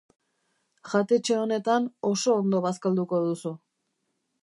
Jatetxe honetan oso ondo bazkalduko duzu.